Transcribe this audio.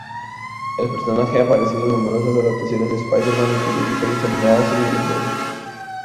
El personaje ha aparecido en numerosas adaptaciones de Spider-Man, incluyendo series animadas y videojuegos.